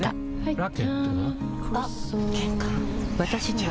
ラケットは？